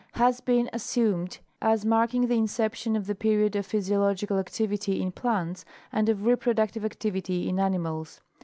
has been as sumed as marking the inception of the period of physiolggical activity in plants and of reproductive activity in animals.